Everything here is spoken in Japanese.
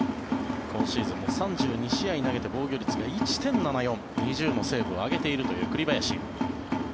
今シーズンも３２試合投げて防御率が１．７４２０のセーブを挙げているという栗林。